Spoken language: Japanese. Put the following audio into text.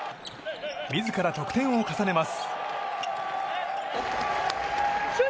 自ら得点を重ねます。